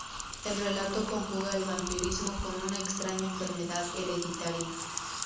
El relato conjuga el vampirismo con una extraña enfermedad hereditaria.